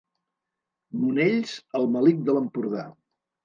Monells, el melic de l'Empordà.